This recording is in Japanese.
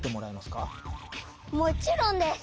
もちろんです！